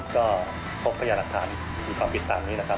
ก็พบประหยัดหลักฐานมีความผิดตามนี้แหละครับผม